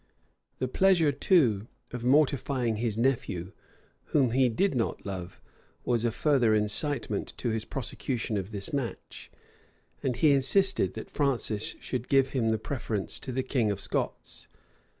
The pleasure, too, of mortifying his nephew, whom he did not love, was a further incitement to his prosecution of this match; and he insisted that Francis should give him the preference to the king of Scots.